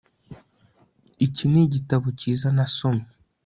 iki nigitabo cyiza nasomye